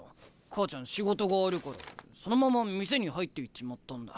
母ちゃん仕事があるからそのまま店に入っていっちまったんだ。